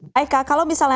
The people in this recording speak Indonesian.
baik kak kalau misalnya